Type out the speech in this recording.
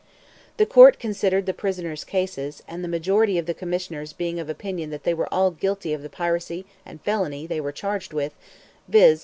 The court considered the prisoners' cases, and the majority of the commissioners being of opinion that they were all guilty of the piracy and felony they were charged with, viz.